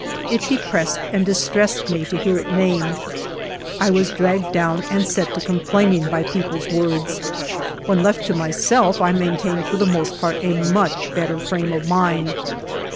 It depressed and distressed me to hear it named.' I was dragged down and set to complaining by people's words. When left to myself I maintained for the most part a much better frame of mind.